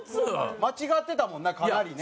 間違ってたもんなかなりね。